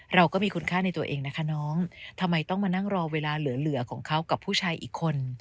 เราก็มีคุณค่าในตัวเองนะคะน้องทำไมต้องมานั่งรอเวลาเหลือของเขากับผู้ชายอีกคน